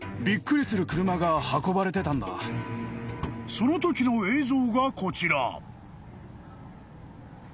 ［そのときの映像がこちら］